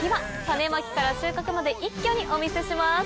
種まきから収穫まで一挙にお見せします。